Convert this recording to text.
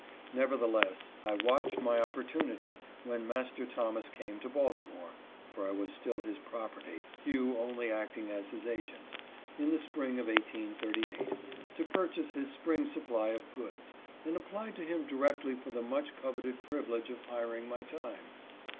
Nevertheless, I watched my opportunity when Master Thomas came to Baltimore (for I was still his property, Hugh only acting as his agent,) in the spring of 1838, to purchase his spring supply of goods, and applied to him directly for the much coveted privilege of hiring my time.